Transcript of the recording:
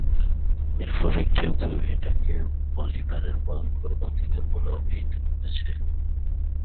এর ফলে কেউ কেউ এটাকে বলিভারের "ভয়ঙ্কর বাতিঘর" বলে অভিহিত করেছে।